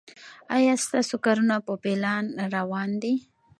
ایا ستاسو کارونه په پلان روان دي؟